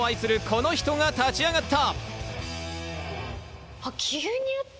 この人が立ち上がった！